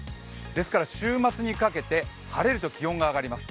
ですから週末にかけて晴れると気温が上がります。